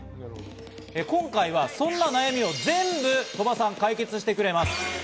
今回はそんな悩みを全部鳥羽さんが解決してくれます。